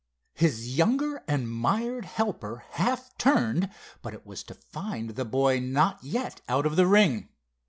His younger and mired helper half turned, but it was to find the boy not yet out of the ring.